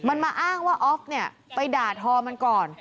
มันมาอ้างว่าออฟเนี่ยไปด่าทอมันก่อน